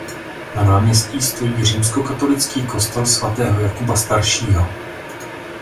Na náměstí stojí římskokatolický kostel svatého Jakuba Staršího.